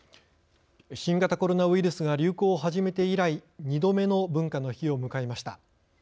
新型コロナウイルスが流行を始めて以来２度目の文化の日を迎えました。